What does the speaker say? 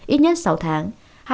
ít nhất sáu tháng